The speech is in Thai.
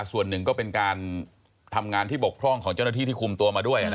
ส่วนหนึ่งก็เป็นการทำงานที่บกพร่องของเจ้าหน้าที่ที่คุมตัวมาด้วย